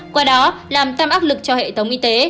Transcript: qua đó làm tăm ác lực cho hệ thống y tế